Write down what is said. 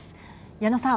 矢野さん。